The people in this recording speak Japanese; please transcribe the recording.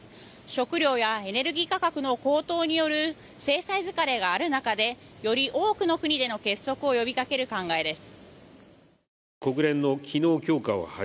食料やエネルギー価格の高騰による制裁疲れがある中でより多くの国での結束を呼びかける考えです。